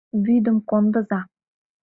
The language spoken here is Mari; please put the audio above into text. Вӱдым кондыза!